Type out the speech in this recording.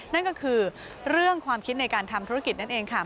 นั่นก็คือเรื่องความคิดในการทำธุรกิจนั่นเองค่ะ